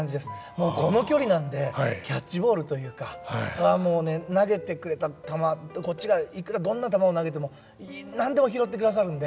もうこの距離なんでキャッチボールというかもうね投げてくれた球こっちがいくらどんな球を投げても何でも拾ってくださるんで。